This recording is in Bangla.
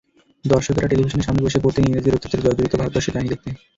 দর্শকেরা টেলিভিশনের সামনে বসে পড়তেন ইংরেজদের অত্যাচারে জর্জরিত ভারতবর্ষের কাহিনি দেখতে।